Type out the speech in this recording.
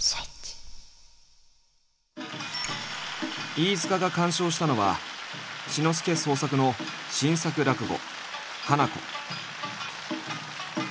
飯塚が鑑賞したのは志の輔創作の新作落語「ハナコ」。